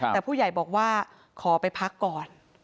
แต่ผู้ใหญ่บอกว่าขอไปพักก่อน